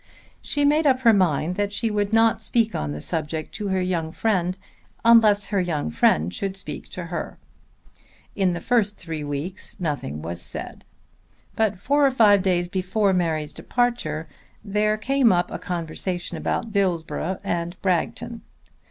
She made up her mind that she would not speak on the subject to her young friend unless her young friend should speak to her. In the first three weeks nothing was said; but four or five days before Mary's departure there came up a conversation about Dillsborough and Bragton.